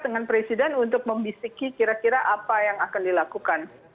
dengan presiden untuk membisiki kira kira apa yang akan dilakukan